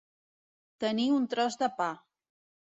Tenir un tros de pa.